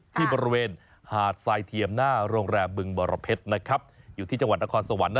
ที่บริเวณหาดทรายเทียมหน้าโรงแรมบึงบรเพชรอยู่ที่จังหวัดนครสวรรค์